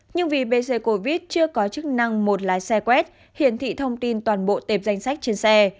nhưng vì bc covid chưa có chức năng một lái xe quét hiển thị thông tin toàn bộ tệp danh sách trên xe